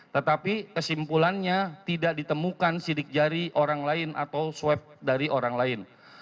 tetapi kesimpulannya tidak ditemukan sidik jari orang lain atau swab dari orang lain